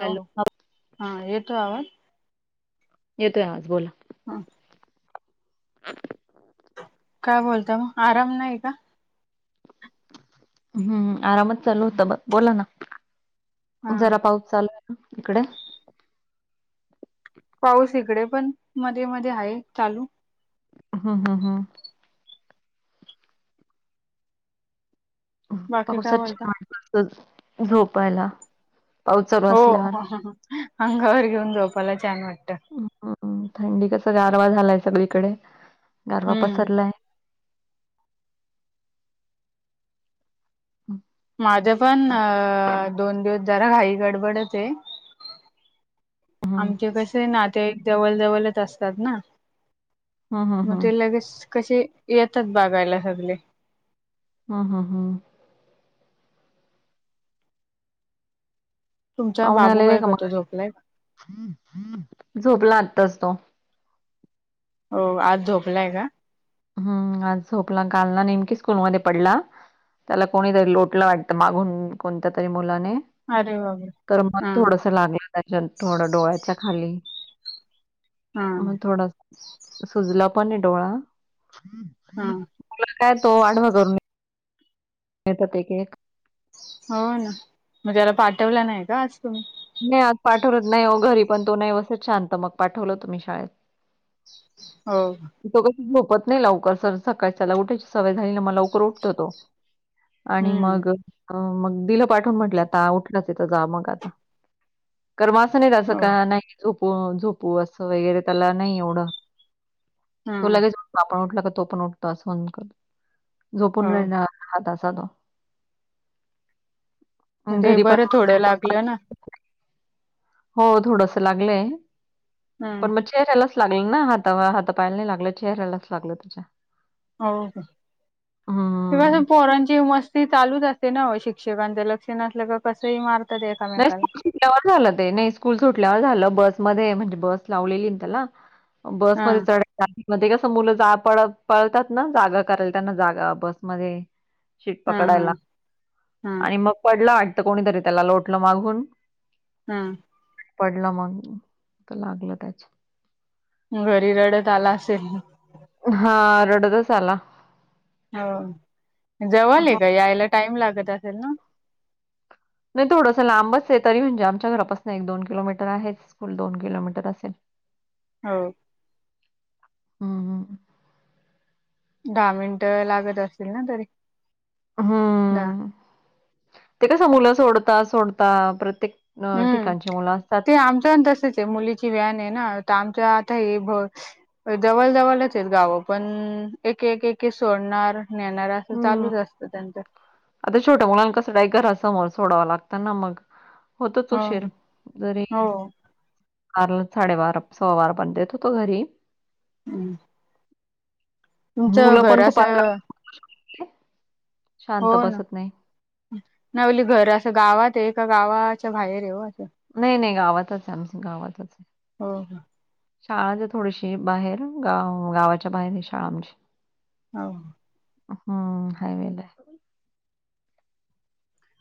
Hello, हा येतो आवाज? येतोय आवाज बोला. हा. [inaudible] काय बोलता म आराम नाही का? हम्म आरामच चालू होता ब बोला ना हा जरा पाऊस चालूय इकडे पाऊस इकडे पण मध्ये मध्ये आहे चालू हा हा हा बाकी काय पावसात बोलता छान वाटत झोपायला. पाऊस चालू हो असल्यावर. अंगावर घेऊन झोपायला छान वाटतं. हम्म थंडी कस गारवा झालाय सगळीकडे गारवा हम्म पसरलाय. हम्म माझे पण अ दोन दिवस जरा घाई गडबडच ये. हम्म आमचे कशे नातेवाईक जवळ जवलच असतात ना हम्म मग हम्म. ते लगेच कशे येतात बघायला सगले हा हा हा तुमचा पाहुणे बाबू आलेले काय का मग करतो, झोपलाय? झोपला आत्ताच तो हो आज झोपलाय का हम्म आज झोपला काल ना नेमकी स्कूल मध्ये पडला. त्याला कोणीतरी लोटलं वाटतं मागून कोणत्या तरी मुलाने अरे बाबा तर म हा थोडस लागल. त्याच्या थोडं डोळ्याच्या खाली हा मग थोड सुजला पण ये डोळा हा मग काय तो वाढवा करून एक होते की एक हो ना, मग त्याला पाठवलं नाही का आज तुम्ही? नाही आज पाठवलंत. नाही घरी पण तो नाही बसत शांत, मग पाठवलं त मी शाळेत. हो. तो कसं झोपत नाही लवकर सर सकाळच्याला उठायची सवय झाली ना, म लवकर उठतो तो. आणि हम्म मग मग दिलं पाठवून म्हटलं, आता उठलाच हाय तर जा मग आता. कर् म अस नाही त्यांच हो का? नाही झोपू झोपू असं वगैरे त्याला नाही एवढं. तो हम्म लगेच पापा उठला का तो पण उठतो, अस म्हण कर झोपून नाही हो राहणार. हाता साधो तेे बरं थोडं लागलं ना. हो थोडंस लागलंय, हम्म पण म चेहऱ्यालाच लागल ना, हाता पायाला नाही लागलं, चेहऱ्यायलाच लागलं तेच्या. हो का? ते अस हं. पोरांची मस्त ती चालूच असते ना ओ, शिक्षकांच लक्ष नसलं की कसं ही मार नाही स्कूल सुटल्यावर झालं ते, नाही स्कूल सुटल्यावर झालं. बस मध्ये म्हणजे बस लावलेली त्याला हा बसमध्ये चढ ट्रॅफिक मध्ये कस मुलं जा पळ पळतात ना, जागा करायला त्यांना जागा बसमध्ये शीट हा हा पकडायला हा आणि मग पडला वाटत, कोणीतरी त्याला लोटलं मागून. हा. पडला मग, लागलं त्याच्या घरी रडत आला असेल. हा. रडतच आला. हो हां. जेवाले का? यायला टाइम लागत असेल ना. नाही थोडंसं लांबच आहे, तरी म्हणजे आमच्या घरापासून एक दोन किलोमीटर आहे. स्कूल दोन किलोमीटर असेल. हो. ह ह. दहा मिनट लागत असतील ना तरी? दहा हं ते कस? मुलं सोडता सोडता प्रत्येक अ हम्म ठिकाणची मुलं असतात. ते आमच्या पणं तसेच ती मुलीची व्हॅन आहे ना, तर आमच्या आता हे जवळ जवळच आहेत गावं, पण एक एक सोडणार, नेणार. ते हं. चालूच असतं त्यांच. आता छोट्या मुलांना कसं? काही घरासमोर सोडावं लागत मग. होतोच हो उशीर जरी हो अरूला साडे बारा, सवा बारा पर्यंत नेथ होतो घरी [inaudible] तुमचं घर मुूलपन खूप आता असं हो ना, नवली घर असं गावात आहे, का गावाच्या बाहेर आहे असं. नाही नाही गावातच हाय आमच. गावातच हाय. हो शाळा ज थोडीशी बाहेर गाव गावाच्या बाहेर ये शाळा आमची. हां. हा हावे ला हाय.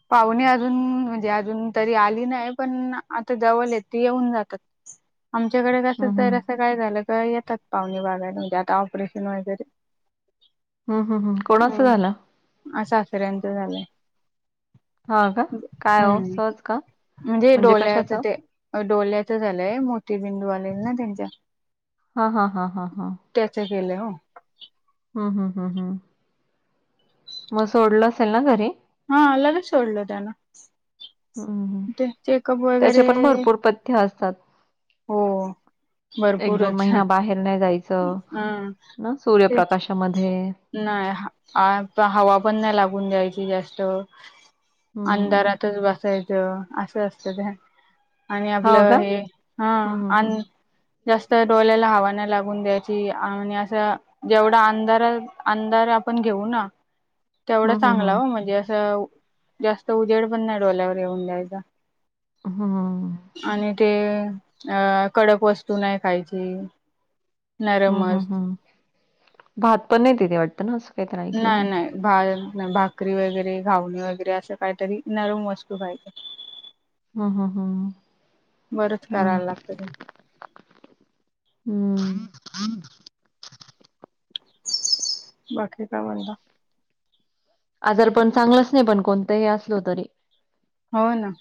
पाहुणे अजून म्हणजे अजून तरी आली नाही, पण आता जवल ये ती येऊन जातात. आमच्याकडे असेल हं, तर हं. असं काय झालं का येतात पाहुणे बागायला म्हणे आता ऑपरेशन वगेरे. हा हा हा. कोणाच झालं? [unintelligible] सासऱ्यांचं झालंय. हां का? काय ओ? हम्म. सहज का? म्हणजे डोल्या्याच ते. डोल्या्च झालंय. मोती बिंदू आलेल ना त्यांच्या. हा. हा. हा. हा. हा. त्याच केलं हो. हां. हां. हां. हां. मग सोडलं असेल ना घरी? हां. लगेच सोडल त्याना. हं, हं. ते चेकअप त्याचे पण वगैरे- भरपूर पथ्य असतात. हो. एक दोन भरपूरच महिना बाहेर नाही जायचं हा ना तेच सूर्यप्रकाशामध्ये. नाही. हवा पण नाही लागून द्यायची जास्त. हं. अंधारात- च बसायचं असं असतं ते. आणि हो आपलं का? हे- हा. हं, हं, हं. आणि जास्त डोल्याला हवा नाही लागून द्यायची. आणि असं- जेवढा अंधार, अंधार आपण घेऊ ना? तेवढा हं, हं, चांगला हं. हो. म्हणजे असं जास्त उजेड पण नाही डोल्यावर येऊन द्यायचा. हां. आणि ते आं कडक वस्तू नाही खायची. हं. हं. नरमच हं. भात पण नाही तिथे वाटतं ना असं- काहीतरी ऐकलंय मी. नाही नाही. भा भाकरी वगैरे घावणे वगैरे असं काहीतरी नरम वस्तू खायच. हं. हं. हं. बरंच करायला लागतं ते. हम्म. बाकी काय म्हणता? आजार पण चांगलच नाही पण कोणतंही असल तरी. हो ना.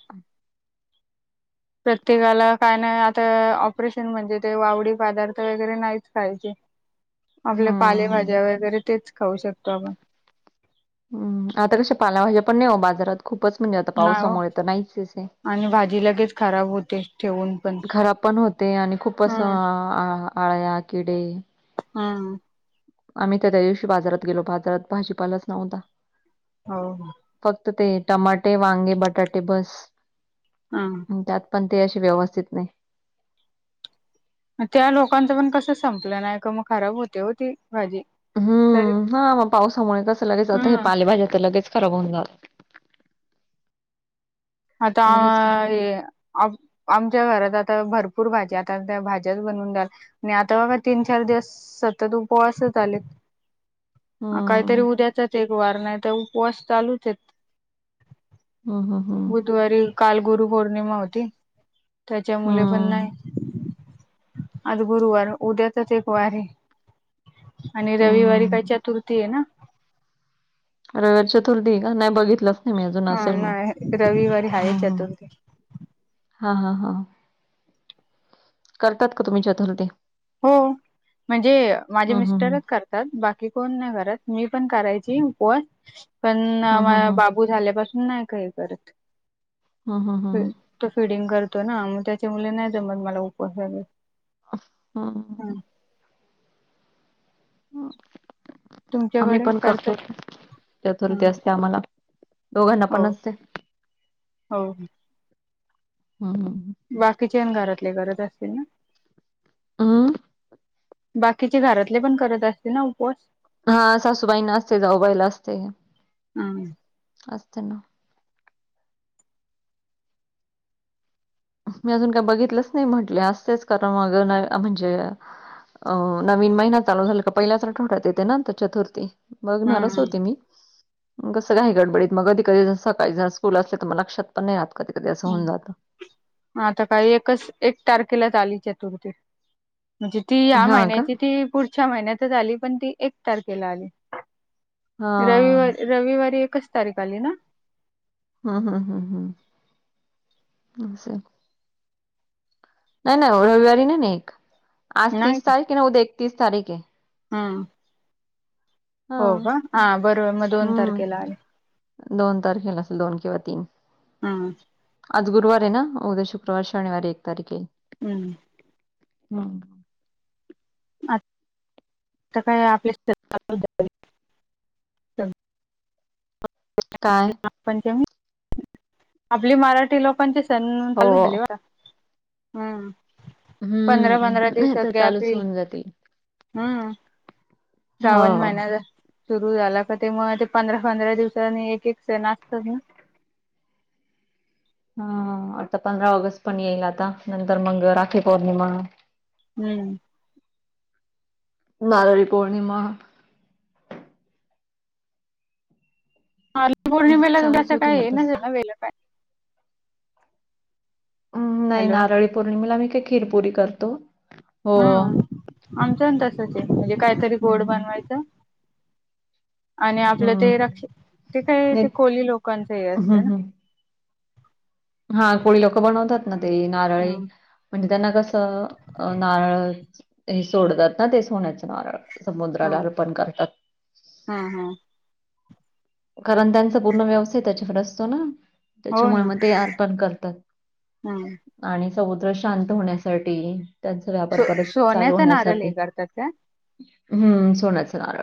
प्रत्येकाला काय नाही आता ऑपरेशन म्हणजे ते वावडी पदार्थ वगैरे नाहीच खायचे. आपल्या हं. पालेभाज्या वगैरे तेच खाऊ शकतो आपण. हम्म. आता कस पालाभाज्या पण नाही हो बाजारात. खूपच म्हणजे आता नाही हो पावसामुळे तर नाहीचे.. आणि भाजी लगेच खराब होते ठेवून पण. हम्म हां. आ, आळया, किडे. हां. आम्ही त्या त्या दिवशी बाजारात गेलो. बाजारात भाजीपालाच नव्हता. हो. फक्त ते टमाटे, वांगे, बटाटे बस. हा. त्यात पण ते असे व्यवस्थित नाही. त्या लोकांचं पण कसं संपलं नाही का मग खराब होते हो ती भाजी. तरी हम्म. हा. मग पावसामुळे कसं लगेच आता हे हम्म पालेभाज्या तर लगेच खराब होऊन जाता. आता लगेच खराब ए - आम आमच्या घरात आता भरपूर भाज्या. आता त्या भाज्याच बनवून- आणि आता बघा तीन चार दिवस सतत उपवासच आलेत. काहीतरी हम्म उद्याचाच एक वार ए. नाही तर उपवास चालूच येत. हम. हम. ह. बुधवारी काल गुरु पौर्णिमा होती. त्याच्या मुले पण हम्म नाही. आज गुरुवार उद्यातच एक वारी. आणि रविवारी काय हम्म चतुर्थी आहे ना. रविवारी चतुर्थी का नाही बघितलं. ते मे अजून हा असेल मग नाही रविवारी आहे हम् हम्, चतुर्थी हा हा हा, करतात का तुम्ही चतुर्ते. हो म्हणजे माझे हं हं. मिस्टरच कर''--'' तात बाकी कोण नाही करत मी पण करायची उपवास पण न हं हं माया हं. बाबू. बू झाल्यापासून नाही काही करत. हा हा हा, फि- तो फिडिंग करतो ना मग त्याच्यामुळे नाही जमत मला उपवासग वगैरे. हम्, ह, आम्ही तुमच्याकडे पण करतो. करतात का ह चतुर्थी असते आम्हाला. दोघांना हो, पण असते. हो, हा हा, बाकीचे आन घरातले करत असतील ना. ''अं'' बाकीचे घरातले पण करत असते ना उपवास. हा, सासूबाईना असते जाऊबाईला असते असते ना. ''मी अजून काय बघितलंच नाही म्हटले असतेच कारण अग नाही म्हणजे. अ नवीन महिना चालू झाला का पहिल्याचठवठ्यात येते ना चतुर्थी. बघणारच ह होते मी'' मग कसं काही गडबडीत मग कधी कधी सकाळी जर स्कूल असले तर. मग लक्षात पण नाही आत कधी कधी अस होऊन जातं. म आता काही एकच एक तारखेलाच आली चतुर्थी. म्हणजे ती या हा का? महिन्याची ती पुढच्या महिन्यातच आली पण ती एक तारखेला आली. हा. रविवारी रविवारी एकच तारीख आली ना. हम हम हम हम, ह सर [inaudible] नाही नाही रविवारी नाही नाही एक आज तस तारीखे न उद एकतीस तारीखे. हम् हा हो का हा, बरोबर मग दोन हम्म तारखेला आले. दोन तारखेला असेल दोन किंवा तीन. हम्म आज गुरुवार आहे ना उद्या शुक्रवार शनिवार एक तारखे. हम्म, हम, आत. आता काय [inaudible] आपल्या काय. पंचमी आपली मराठी लोकांची. सण हो चालू झाले बर का हम्, पंधरा पंधरा हम्म तर दिवसात ग्याप चालूच इल. होऊन जातील हम, हो श्रावण महिन्यात. सुरू झाला का ते म ते पंधरा पंधरा दिवसाांनी एक एक सण असतात ना. हा, आता पंधरा ऑगस्ट पण येईल आता नंतर मग राखी पौर्णिमा. हम्म, नारळी पौर्णिमा. ह पौर्णिमेला तु चालूच असं होतील काही हे आता नसेल ना वे काय हम नाही हॅलो नारळी पौर्णिमेला मी काही खिरपुरी करतो हो हम् हम्म आमचंण तसच आहे म्हणजे कायतरी गोड हम्म बनवायचं आणि आपलं ते हम्म रक्ष ते काय नाही ते कोली लोकांचं हे असतं ना हा कोळी लोक बनवतात ना ते नारळी हम्म म्हणजे त्यांना कसं नारळ हे सोडतात ना तेच सोन्याचं नारळ समुद्राला अर्पण करतात हा, हा कारण त्यांचा पूर्ण व्यवसाय त्याच्याकडे असतो ना हो त्याच्यामुळे ना मग ते अर्पण करतात हम्म आणि समुद्र शांत होण्यासाठी त्यांचा व्यापार सो परत चालू सोन्याचा नारळ होण्यासाठी हे करतात काय? हम्म सोनचा नारळ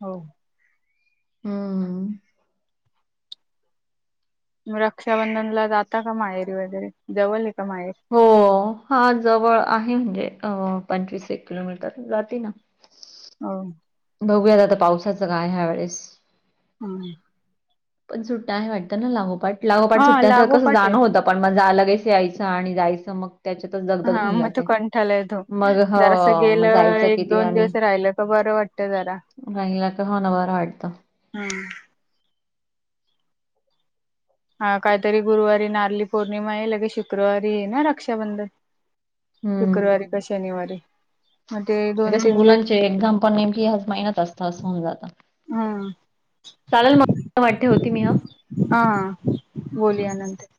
हो हम्म म रक्षाबंधनला जाता का मायेरी वगैरे जवल आहे का माहेर हो हा जवळ आहे म्हणजे पंचवीस एक किलोमीटर जाती ना हो बघूयात आता पावसाचं काय ह्या वेळेस हम्म पण सुट्ट्या आहे वाटत ना लागोपाठ, लागोपाठ हा सुट्ट्याच कसं होत लागोपाठ जाणं आहेत होतं पण म जा लगेस यायचं आणि जायचं मग त्याच्यातच दगदग हा होऊन मग तू जाते. कंठाला एतो मग हो जरास मग गेलं जायचं एक, किती दोन दिवस राहिलं का बरं वाट कुठ जरा नाहीला का होणार बर वाटतं हां हा काहीतरी गुरुवारी नारली पौर्णिमा आहे लगेच शुक्रवारी आहे ना रक्षाबंधन शुक्रवारी हम्म का शनिवारी मग ते दोन, कसं तीन दिवस मुलांचे एक्झाम पण नेमकी ह्यास महिन्यात असतं असं होऊन जातं हम्म चालेल मग वाट ठेवते मी हा. हा बोलुया नंतर